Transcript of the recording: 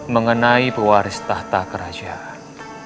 mengenai pewaris tahta kerajaan